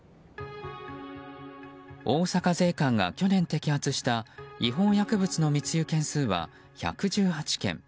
大阪税関が去年摘発した違法薬物の密輸件数は１１８件。